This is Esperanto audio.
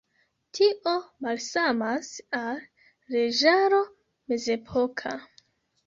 Tio malsamas al leĝaro mezepoka.